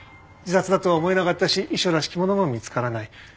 自殺だとは思えなかったし遺書らしきものも見つからない。